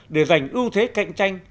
để giành ưu thế cạnh tranh